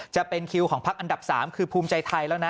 จะเป็นคิวของพักอันดับ๓คือภูมิใจไทยแล้วนะ